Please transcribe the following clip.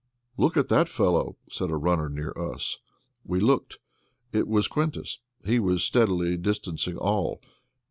"Look at that fellow," said a runner near us. We looked. It was Quintus; he was steadily distancing all.